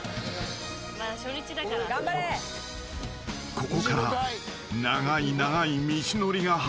［ここから長い長い道のりが始まります］